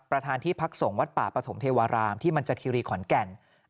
ประธานที่พักษงวัดป่าประถมเทวารามที่มันจะคิรีขวัญแก่น